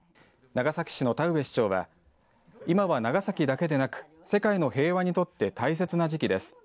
長崎市の田上市長は今は長崎だけでなく世界の平和にとって大切な時期です。